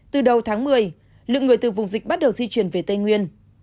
từ đầu tháng một mươi lượng người từ vùng dịch bắt đầu di chuyển về tây nguyên